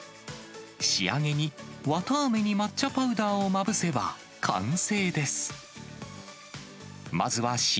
仕上げに綿あめに抹茶パウダーをまぶせば完成です。